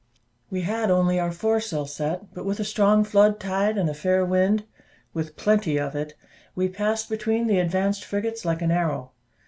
We had only our foresail set; but with a strong flood tide and a fair wind, with plenty of it, we passed between the advanced frigates like an arrow.